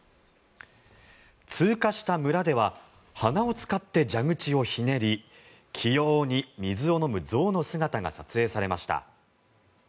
通過した村では鼻を使って蛇口をひねり器用に水を飲む象の姿が撮影されました。